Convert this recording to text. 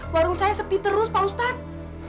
warung saya sepi terus pak ustadz